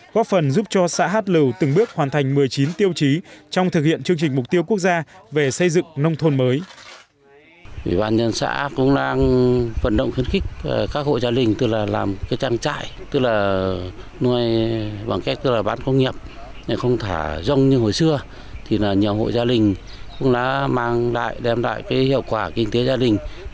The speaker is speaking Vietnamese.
góp phần giúp cho xã hát lưu từng bước hoàn thành một mươi chín tiêu chí trong thực hiện chương trình mục tiêu quốc gia về xây dựng nông thôn mới